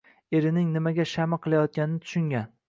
Erining nimaga shama qilayotganini tushungan